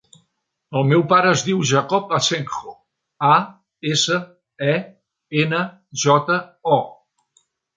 El meu pare es diu Jacob Asenjo: a, essa, e, ena, jota, o.